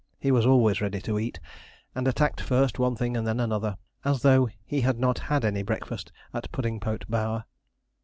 He was always ready to eat, and attacked first one thing and then another, as though he had not had any breakfast at Puddingpote Bower.